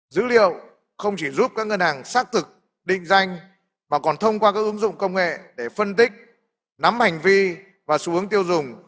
dữ liệu không chỉ giúp các ngân hàng xác thực định danh mà còn thông qua các ứng dụng công nghệ để phân tích nắm hành vi và xu hướng tiêu dùng